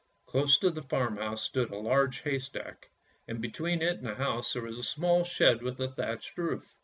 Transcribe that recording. Close to the farmhouse stood a large haystack, and between it and the house there was a small shed with a thatched roof.